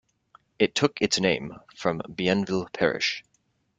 It took its name from Bienville Parish.